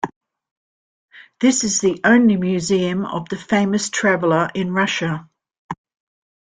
This is the only museum of the famous traveler in Russia.